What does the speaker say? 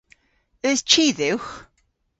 Eus chi dhywgh?